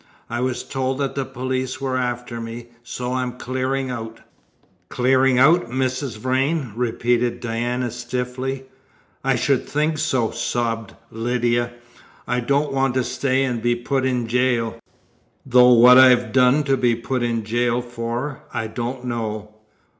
I was told that the police were after me, so I'm clearing out." "Clearing out, Mrs. Vrain?" repeated Diana, stiffly. "I should think so!" sobbed Lydia. "I don't want to stay and be put in gaol, though what I've done to be put in gaol for, I don't know."